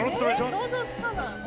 ええ想像つかない。